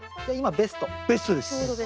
ベストです。